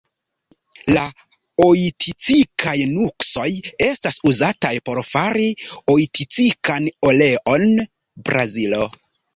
La oiticikaj nuksoj estas uzataj por fari oiticikan oleon (Brazilo).